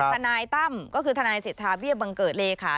ทนายตั้มก็คือทนายสิทธาเบี้ยบังเกิดเลขา